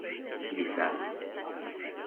Il est sale.